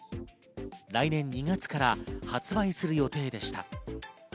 来年２月から発売する予定でした。